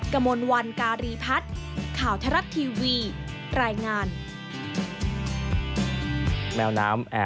กระมวลวันการีพัฒน์ข่าวทรัฐทีวีรายงาน